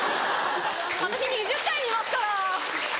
私２０回見ますから。